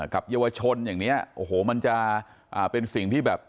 กับเยาวชนอย่างนี้โอ้โหมันจะเป็นสิ่งที่แบบ